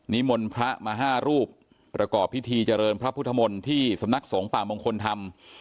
นิมลพระมหารูปประกอบพิธีเจริญพระพุทธมลที่สำนักศงภาบองคนทำ